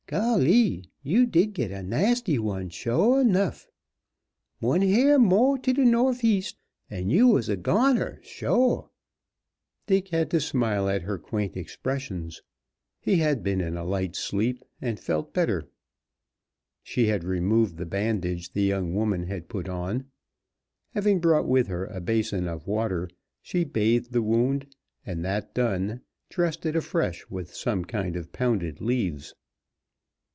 Golly! you did git a nasty one, shua 'nuff. One hair mo' to de norf east, and yo' was a goner, shua!" Dick had to smile at her quaint expressions. He had been in a light sleep, and felt better. She had removed the bandage the young woman had put on. Having brought with her a basin of water, she bathed the wound, and that done, dressed it afresh with some kind of pounded leaves.